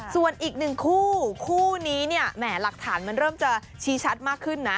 ส่วนอีกหนึ่งคู่คู่นี้เนี่ยแหมหลักฐานมันเริ่มจะชี้ชัดมากขึ้นนะ